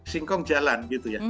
singkong jalan gitu ya